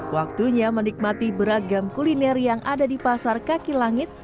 waktunya menikmati beragam kuliner yang ada di pasar kaki langit